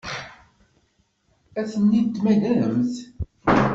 Ad ten-id-temmagremt?